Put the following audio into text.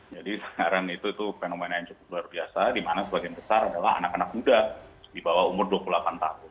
jadi sekarang itu fenomena yang cukup luar biasa di mana sebagian besar adalah anak anak muda di bawah umur dua puluh delapan tahun